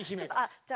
じゃあ。